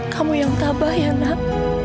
kamu yang tabah ya nak